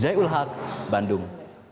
zai ul haq bandung